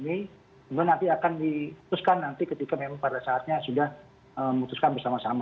kemudian nanti akan diputuskan nanti ketika memang pada saatnya sudah memutuskan bersama sama